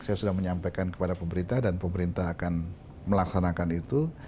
saya sudah menyampaikan kepada pemerintah dan pemerintah akan melaksanakan itu